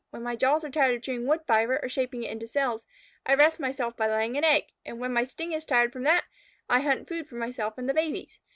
When my jaws are tired of chewing wood fibre or shaping it into cells, I rest myself by laying an egg. And when my sting is tired from that, I hunt food for myself and the babies.